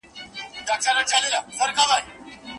د کورني ژوند ستونزي باید پټې نسي.